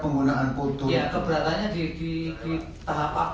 terhadap penggunaan foto